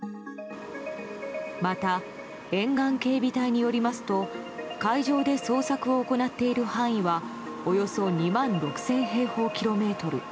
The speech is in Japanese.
また沿岸警備隊によりますと海上で捜索を行っている範囲はおよそ２万６０００平方キロメートル。